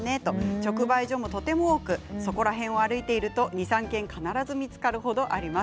直売所もとても多くそこらへんを歩いていると２、３軒必ず見つかる程あります。